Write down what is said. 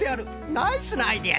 ナイスなアイデアじゃ！